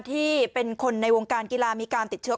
ที่เป็นคนในวงการกีฬามีการติดเชื้อ